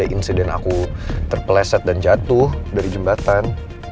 kalau ada insiden aku terpeleset dan jatuh dari jembatan